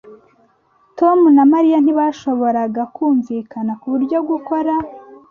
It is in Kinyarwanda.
Tom na Mariya ntibashoboraga kumvikana kubyo gukora.